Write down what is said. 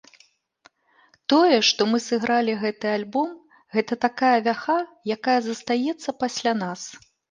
Тое, што мы сыгралі гэты альбом, гэта такая вяха, якая застаецца пасля нас.